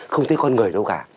không thấy con người đâu cả